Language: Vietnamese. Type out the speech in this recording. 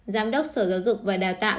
giám đốc sở giáo dục và đà tạo